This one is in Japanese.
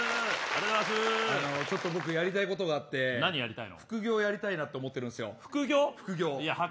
ちょっと僕やりたいことがあって副業やりたいなと思ってるんです。